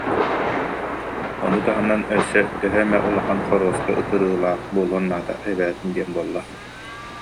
Ону таһынан өссө төһө эмэ улахан хоруоска ытырыылаах буолуон наада эбээт диэн буолла